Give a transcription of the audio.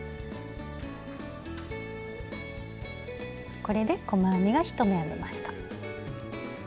これで細編みが１目編めました。